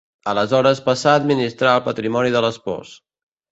Aleshores passà a administrar el patrimoni de l'espòs.